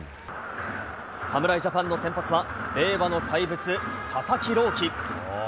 侍ジャパンの先発は令和の怪物、佐々木朗希。